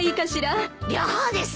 両方です！